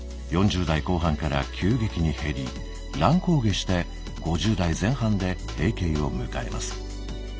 ４０代後半から急激に減り乱高下して５０代前半で「閉経」を迎えます。